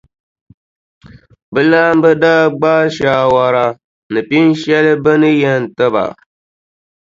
Bɛ laamba daa gbaai saawara ni pinʼ shɛli bɛ ni yɛn ti ba.